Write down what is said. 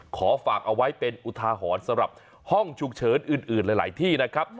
ขอฝากเอาไว้เป็นอุทาหรณ์สำหรับห้องฉุกเฉินอื่นหลายที่นะครับ